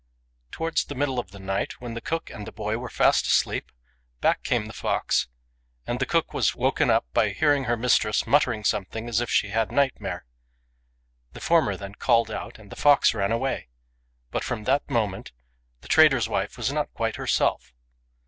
Towards the middle of the night, when the cook and the boy were fast asleep, back came the fox ; and the cook was waked up by hearing her mistress muttering something as if she had nightmare. The former then called out, and the fox ran away ; but from that moment the trader's wife was not quite herself.